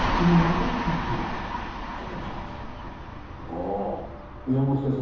あぁ宮本先生